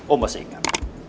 om masih ingat